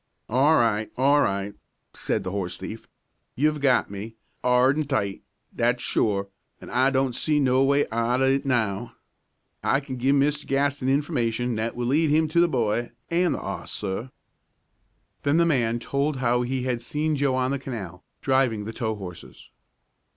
"All right, all right," said the horse thief. "You've got me, 'ard and tight, that's sure, an' I don't see no way out o' it, now. I can give Mr. Gaston information that will lead him to the boy and the 'oss, sir." Then the man told how he had seen Joe on the canal, driving the tow horses.